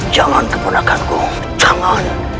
jangan keponakan ku jangan